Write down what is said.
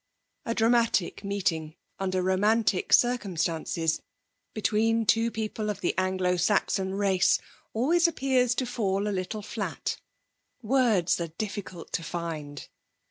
A dramatic meeting under romantic circumstances between two people of the Anglo Saxon race always appears to fall a little flat; words are difficult to find.